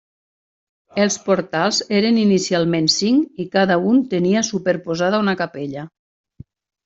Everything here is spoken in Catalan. Els portals eren inicialment cinc i cada un tenia superposada una capella.